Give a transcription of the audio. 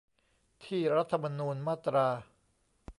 ที่รัฐธรรมนูญมาตรา